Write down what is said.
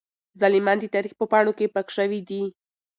ظالمان د تاريخ په پاڼو کې پاک شوي دي.